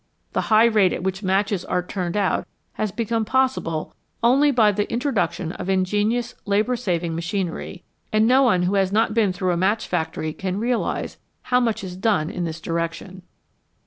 The high rate at which matches are turned out has "become possible only by the introduction of ingenious labour saving machinery, and no one who has not been through a match factory can realise how much is done in this direction.